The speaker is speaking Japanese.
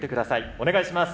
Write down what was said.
お願いします。